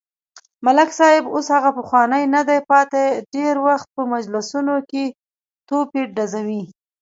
ملک صاحب اوس هغه پخوانی ندی پاتې، ډېری وخت په مجلسونو کې توپې ډزوي.